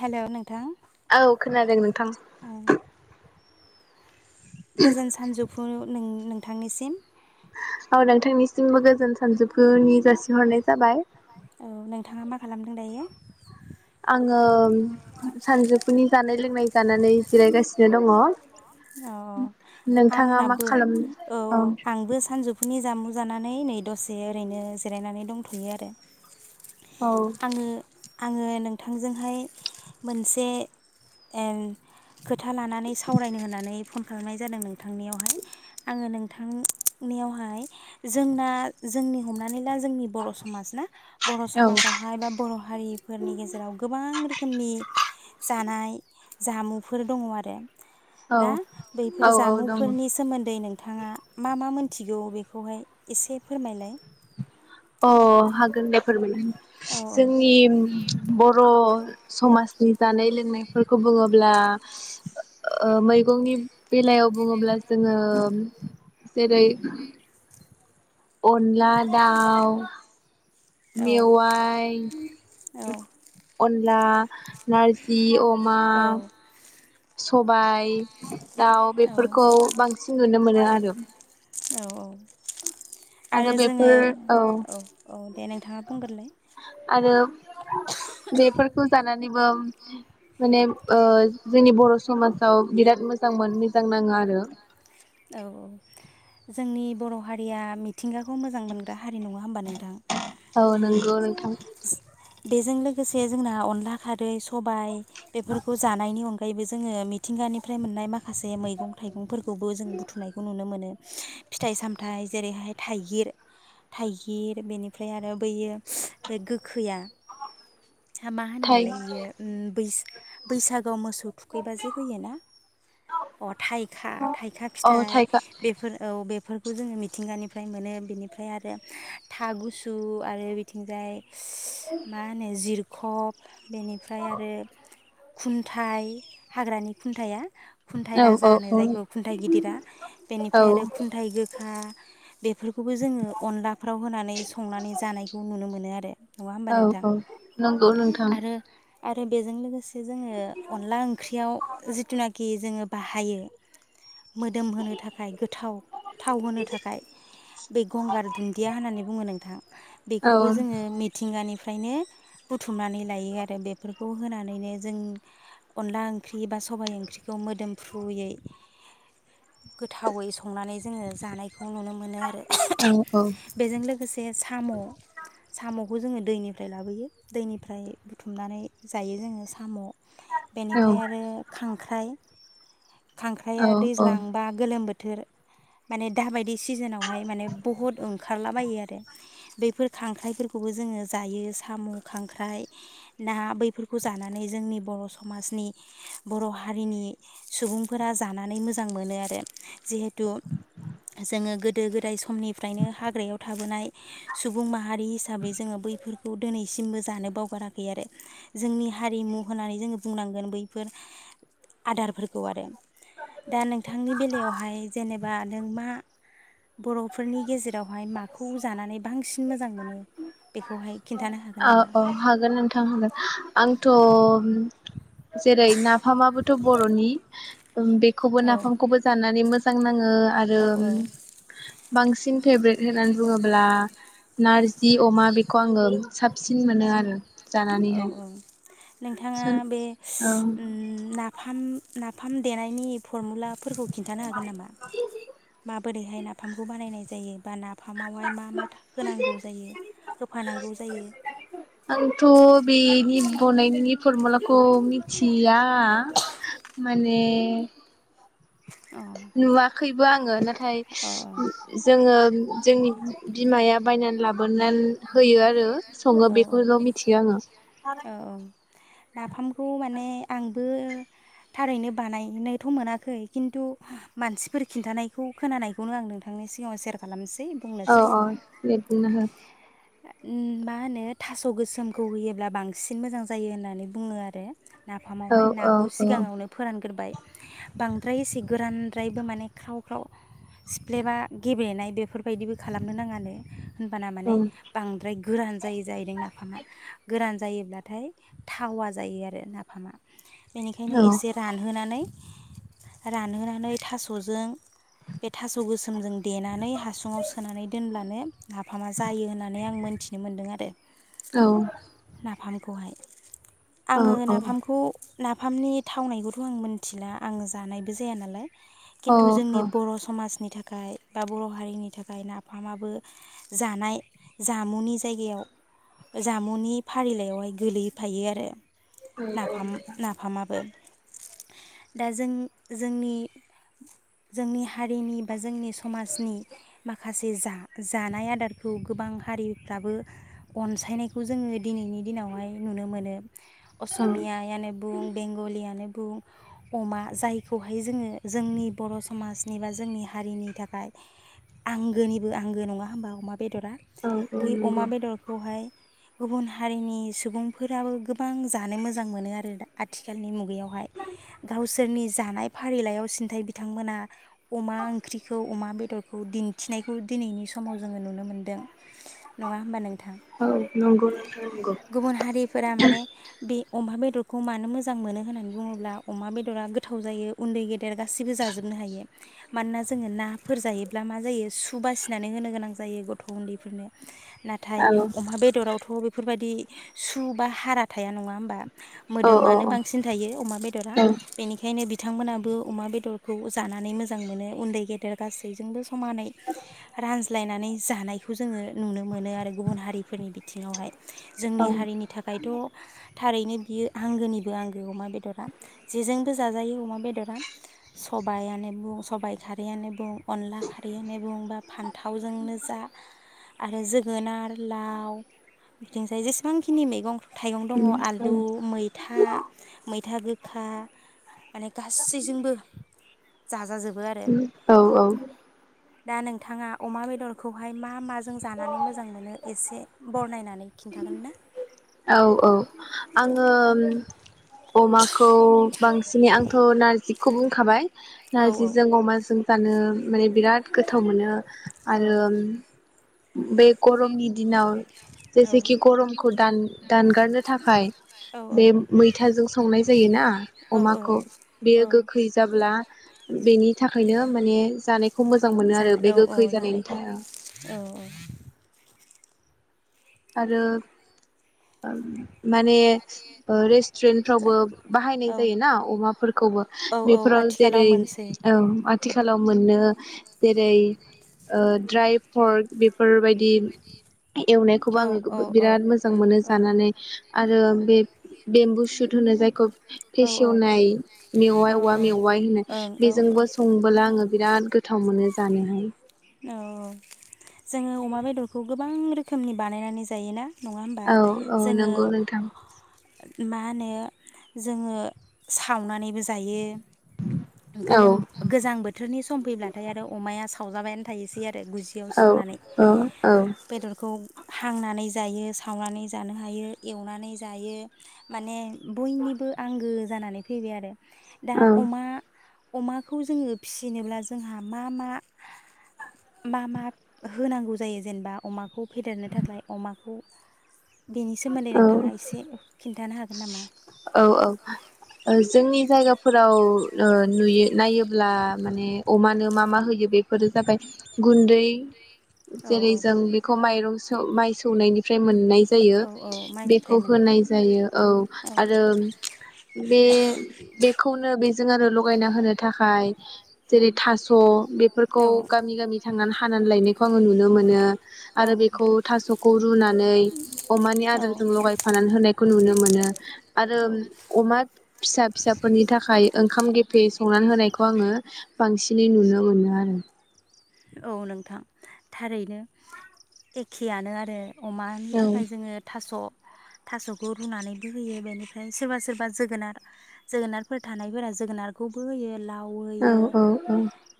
हेल' नोंथां औ खोनादों नोंथां ओ गोजोन सानजौफु नों नोंथांनिसिम औ नोंथांनिसिमबो गोजोन सानजोफुनि जासि हरनाय जाबाय औ नोंथाङा मा खालामदों दायो आङो सानजौफुनि जानाय लोंनाय जानानै जिरायगासिनो दङ अ नोंथाङा मा आंनाबो औ खालामनो आंबो सानजौ फुनि जामु जानानै नै दसे ओरैनो जिरायनानै दंथ'यो आरो औ आङो आङो नोंथांजोंहाय मोनसे ए खोथा लानानै सावरायनो होननानै फन खालामनाय जादों नोंथांनियावहाय आङो नोंथां नियावहाय जोंना जोंनि हमनानै ला जोंनि बर' समाज ना बर' औ समाजावहाय बा बर' हारिफोरनि गेजेराव गोबां रोखोमनि जानाय जामुफोर दङ आरो औ ना औ बैफोर औ औ दङ जामुंफोरनि सोमोन्दै नोंथाङा मा मा मोन थिगौ बेखौहाय एसे फोरमायलाय अ हागोन दे फोरमायनो औ जोंनि बर' समाजनि जानाय लोंनायफोरखौ बुङोब्ला ओ मैगंनि बेलायाव बुङोब्ला जोङो जेरै अनला दाउ बुङोब्ला मेवाइ औ अन ला नारजि अमा औ सबाइ दाउ बेफोरखौ बांसिन नुनो मोनो आरो लो औ औ आरो जोङो औ औ दे नोंथाङा बुंगोरलाय आरो बेफोरखौ जानानैबो माने ओ जोंनि बर' सु समाजाव बिराद मोजांमोन मिजां नाङो आरो औ जोंनि बर' हारिया मिथ मिथिंगाखौ मोजां मोनग्रा हारि नङा होमबा नोंथां औ नंगौ नोंथां बेजों लोगोसे जोंना अनला खारै सबाइ बेफोरखौ जानायनि अनगायैबो जोङो मिथिंगानिफ्राय मोननाय माखासे मैगं थाइगंफोरखौ खौबो जों बुथुमनायखौ नुनो मोनो फिथाइ सामथाइ जेरैहाय थाइगिर थाइगिर बेनिफ्राय आरो बैयो बे गोखैया हामा थाइ होनोमोनलाय बियो बैसो बैसाग गोआव मोसौ थुखैबा जे होयो ना अ थाइखा थाइखा औ फिथाइ थाइखा बेफोर औ बेफोर खौ जोङो मिथिंगानिफ्राय मोनो बेनिफ्राय आरो था गुसु आरो बिथिंजाय मा होनो जिरखब बेनिफ्राय आरो खुन्थाइ हाग्रानि खुन्थाइआ खुन्थाइ औ औ राजा होनो औ जायखौ खुन्थाइ गिदिरा औ बेनिफ्राय आरो खुन्थाइ गोखा बेफोरखौबो जोङो अनलाफ्राव होनानै संनानै जानायखौ नुनो मोनो आरो नङा औ होमबा नों औ नंगौ नोंथां आरो बेजों लोगोसे जोङो अनला ओंख्रियाव जिथुनाखि जों बाहायो मोदोम होनोनो थाखाय गोथाव थाव होनो थाखाय बे गंगार दुन्दिया होननानै बुङो नोंथां औ बेखौबो फ्रायनो बेखौ नुनो मोनो आरो औ औ बेजों लोगोसे साम' खौ जोङो दैनि फ्राय लाबोयो दैनिफ्राय बुथुमनानै जायो जोङो साम' बेनिफ्राय आरो खां ख्राराइ औ खांख्राइाया दैज्लांबा गोलोम बो बोथोर माने दाबायदि सिजोनावहाय माने बहुत ओंखारलाबायो आरो बैफोर खांख्राइफोरखौबो जोङो जायो साम' खांख्राइ ना बैफोरखौ जानानै जोंनि बर' समाजनि बर' हारिनि सुबुंफोरा जानानै मोजां मोनो आरो जिहेथु जोङो गोदो गोदाय समनिफ्रायनो हाग्रायाव थाबोनाय सुबुं माहारि हिसाबै जोङो बैफोर खौ दिनैसिमबो जानो बावगाराखै आरो जोंनि हारिमु होननानै जोङो बुंनांगोन बैफोर आदारफोरखौ आरो दा नोंथांनि बेलायाव बेहाय जेनेबा नोंमा बर'फोरनि गेजेरा रावहाय माखौ जानानै बांसिन मोजां मोनो बेखौहाय खिन्थानो हागोन औ नामा? औ हागोन नोंथां हागोन आंथ' जेरै नाफामाबोथ' बर'नि उम बेखौबो औ नाफामखौबो जानानै मोजां नाङो आरो औ बांसिन फेब्रिथ होननानै बुङोब्ला नारजि अमा बेखौ आङो साबसिन मोनो आरो औ जानानैहाय औ नोंथाङा बे औ उम नाफाम नाफाम देनायनि फरमुलाफोरखौ खिन्थानो हागोन नामा? माबोरैहाय नाफामखौ बानायनाय जायो बा ना फामावहाय मा मा होनांगौ जायो होफानांगौ जायो आंथ' [unintelligible] फरमुलाखौ मिथिया माने अ नुवा फैबो आङो ना नाथाय अ जोङो जोंनि बिमाया बायनानै लाबोनानै होयो आरो सङो औ औ बेखौल' मिथियो आङो औ औ नाफामखौ माने आंबो थारैनो बानायनोथ' मोनाखै खिन्थु मानसिफोर खिन्थानायखौ खोनानायखौनो आं नोंथांनि सिगाङाव सेयार खालामनोसै औ बुंनोसै औ बिदिनो हो उम मा मा होनो थास' गोसोमखौ होयोब्ला बांसिन मोजां जायो होननानै बुङो आरो। नाफामावहाय औ नाखौ औ सिगाङावनो फोरानग्रोबाय बांद्राय एसे गोरानद्रायबो माने ख्राव ख्राव सिफ्लेबा गेब्लेनाय बेफोरबायदिबो खालामनो नाङानो होनबाना औ माने बांद्राय गोरान जायैदों नाफामा गोरान जायोब्लाथाय थावा जायो आरो नाफामा बेनिखायनो एसे रानहोनानै रानहोनानै थास'जों बे थास' गोसोमजों देनानै हासुङाव सोनानै दोनब्लानो नाफामा जायो होननानै आं मोनथिनो मोन्दों आरो। बे औ नाफामखौहाय आङो नाफामखौ नाफामनि थावनायखौथ' आं मिनथिला आं जानायबो जाया नालाय खिन्थु जोंनि बर' समाजनि थाखाय खाय बा बर' हारिनि थाखाय नाफामाबो जानाय जामुनि जायगायाव जामुनि फारिलाइयावहाय गोलैफायो आरो। नाफाम नाफामाबो दा जों जोंनि जोंनि हारिनि बा जोंनि समाजनि माखासे जे जा जानाय आदारखौ गोबां हारिफ्राबो अनसायनायखौ जोङो दिनैनि दिनावहाय नुनो मोनो। असमियानो बुं बेंगलियानो बुं बुं अमा जायखौहाय जोङो जोंनि बर' समाजनि बा जोंनि हारिनि थाखाय आंगोनिबो आंगो नङा होमबा अमा बेदरा औ बै अमा बेदर हाय गुबुन हारिनि सुबुंफोराबो गोबां जानो मोजां मोनो आरो दा आथिखालनि मुगायावहाय गावसोरनि जानाय फारिलाइयाव सिन्थाय बिथांमोना अमा ओंख्रिखौ अमा बेदरखौ दिन्थिनायखौ दिनैनि समाव जोङो नुनो मोन्दों नङा होमबा नों औ नंगौ नोंथां नंगौ गुबुन हारिफोरा माने बे अमा बेदरखौ मानो मोजां मोनो होननानै बुङोब्ला अमा बेदरा गोथाव जायो उन्दै गे देर गासैबो जाजोबनो हायो मानोना जोङो नाफोर जायोब्ला मा जायो सुब बासिनानै होनो गोनां जायो गथ' उन्दैफोरनो अमा बेदरावथ' बेफोरबायदि सु बा हारा थाया नङा होमबा मोदोमानो बांसिन थायो अमा बेदरा नंगौ नोंथां नंगौ बेनिखायनो बिथांमोनाबो अमा बेदरखौ जानानै मोजां मोनो उन्दै गेदेर गासैजोंबो समानै रानज्लायनानै जानायखौ जोङो नुनो मोनो आरो गुबुन हारिफोरनि बिथिङावहाय जोंनि हारिनि थाखायथ' थारैनो बियो आंगोनिबो आंगो अमा बेदरा जेजोंबो जाजायो अमा बेदरा सबायानो बुं सबायाइ खारैयानो बुं अनला खारैयानो बुं बा फान्थावजोंनो जा आरो जोगोनार लाव बिथिंजाय जेसेबांखिनि मैगं थाइगं दङ आलु मैथा मैथा गो खा माने गासैजोंबो जाजाजोब औ औ। दा नोंथाङा अमा बेदरखौहाय मा मा ज जों जानानै मोजां मोनो एसे बर नायनानै खिन्थागोन ना? औ औ आङो अमाखौ बांसिनै आंथ' नारजि खौ बुंखाबाय। औ नारजिजों अमाजों जानो माने बिराद गोथाव मोनो। औ आरो बे गरमनि दिनाव औ जेसेखि गरमखौ दान दानगारनो थाखाय औ बे मैथाजों संनाय जायोना औ अमाखौ औ बेयो गोखै जाब्ला बेनि नि थाखायनो माने जानाय जानाय औ औ जानायखौ औ औ। आरो माने ओ रेस्टुरेन्टफ्रावबो बाहायनाय औ जायो ना अमाफोरखौबो औ औ बेफोराव आथिखालाव जेरै मोनसै ओम आथिखालाव मोननो जेरै ओ ड्राय फर्ट बे फोरबायदि एवनाय खौबो औ आङो गो औ औ बिरिद मोजां मोनो औ जानानै आरो बे बेमबु सुट होन जाय खब फेसेवनाय औ मेवाइ औवा मेवाइ औ होननाय औ बेजोंबो संबोला आङो बिराद गोथाव मोनो। जानोहाय। औ औ जोङो अमा बेदरखौ गोबां रोखोमनि बानायनानै जायोना? नङा होमबा औ औ जोङो नंगौ नोंथां। मा होनो जोङो सावना जायो औ गोलोम गोजां बोथोरनि सम फैब्लाथाइ आरो अमाया साब थाव जाबायेन। थाइसेया आरो गुजियाव औ सुनानै औ बेदरखौ हांनानै जायो, सावनानै जानो हायो, एवनानै जायो माने बयनिबो आंगो जानानै फैबाय आरो दा औ अमा अमाखौ जोङो फिसिनोब्ला जोंहा मा मा मा मा होनांगौ जायो जेनेबा अमाखौ फेदेरनो थाखाय अमाखौ बेनि सोमोन्दै नोंथाङा एसे खिन्था औ औ जोंनि जायगा फोराव ओ नुयो नायोब्ला माने अमानो मा मा होयो बेफोरो जाबाय गुन्दै औ जेरै औ जों बेखौ माइरं माइ सौनायनिफ्राय मोननाय जायो बेखौ होनाय जायो। औ आरो बे बेखौनो बेजों आरो लगायना होनो थाखाय जेरै थास' बेफोरखौ गामि गामि थांनानै हानानै लायनाय खौ नुनो मोनो। आङो नुनो मोनो आरो बेखौ थास'खौ रुनानै अमानि आदारजों लगायफानानै होनायखौ नुनो मोनो आरो नुनो अमा फिसा फिसाफोरनि थाखाय ओंखाम गेफे संनानै होनायखौ आङो बांसिनै नुनो मोनो आरो औ नोंथां थारैनो एखेयानो आरो अमानि थाखाय जोङो थास' थास'खौ रुनानैबो होयो बेनिफ्राय सोरबा सोरबा जोगोनार जोगोनारफोर थानायफोरा जोगोनारखौबो होयो लाव औ होयो औ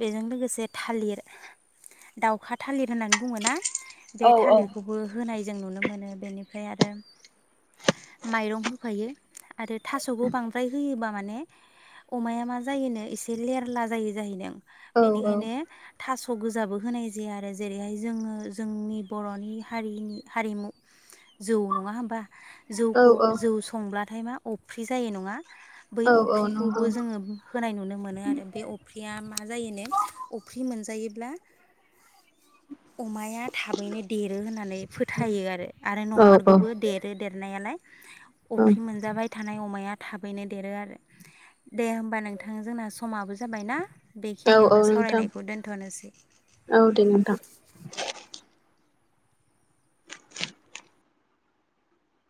बेजों लोगोसे थालिर दाउखा थालिर होननानै बुङो ना बे थालिरखौबो होनाय जों नुनो मोनो बेनिफ्राय आरो माइरं होफायो आरो थास'खौ बांद्राय होयोबा माने औ बेनिखायनो थास' गोजाबो होनाय जाया आरो जेरैहाय जोङो जोंनि बर'नि हारिनि हारिमु जौ। नङा होमबा? औ जौखौ औ जौ संब्ला ओमफाय मा अफ्रि जायो नङा बै औ औ अफ्रिखौबो नंगौ जोङो होनाय नुनो मोनो आरो बे अफ्रिया मा जायोनो अफ्रि मोनजायोब्ला अमाया थाबैनो देरो होननानै फोथायो आरो आरो औ औ नंमारगौबो देरो देरनायालाय औ अफ्रि मोनजाबाय थानाय अमाया थाबैनो देरो आरो दे होमबा नोंथां जोंना समाबो जाबाय ना औ-औ नोंथां दोनथ'नोसै। औ दे नोंथां